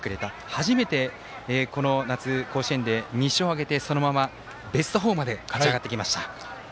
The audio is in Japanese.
初めて、この夏、甲子園で２勝を挙げてそのままベスト４まで勝ち進んできました。